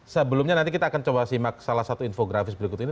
sebelumnya nanti kita akan coba simak salah satu infografis berikut ini